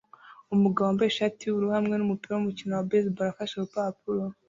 Umugabo wambaye ishati yubururu hamwe numupira wumukino wa baseball afashe urupapuro